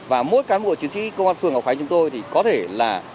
và mỗi cán bộ chiến sĩ công an phường ngọc khánh chúng tôi thì có thể là